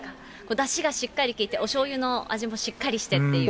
だしがしっかり効いて、おしょうゆの味もしっかりしてっていう。